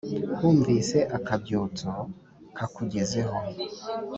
wumvise akabyutso ka kugezeho